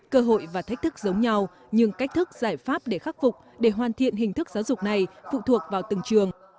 cơ hội và thách thức giống nhau nhưng cách thức giải pháp để khắc phục để hoàn thiện hình thức giáo dục này phụ thuộc vào từng trường